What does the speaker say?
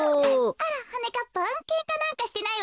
あらはなかっぱんけんかなんかしてないわよ。